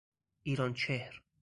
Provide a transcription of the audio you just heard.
ایرانچهر